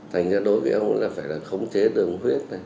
thành ra đối với ông là phải khống chế đường huyết